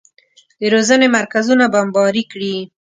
د روزنې مرکزونه بمباري کړي.